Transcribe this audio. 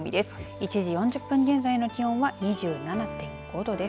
１時４０分現在の気温は２７．５度です。